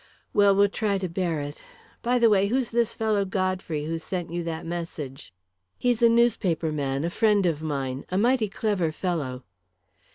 Well, we'll try to bear it. By the way, who's this fellow Godfrey, who sent you that message?" "He's a newspaper man, a friend of mine a mighty clever fellow."